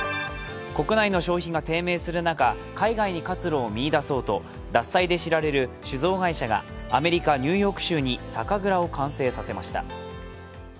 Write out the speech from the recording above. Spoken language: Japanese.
国内の消費が低迷する中海外に活路を見いだそうと獺祭で知られる酒造会社がアメリカ・ニューヨーク州に酒蔵を完成させました。